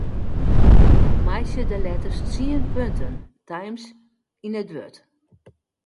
Meitsje de letters tsien punten Times yn it wurd.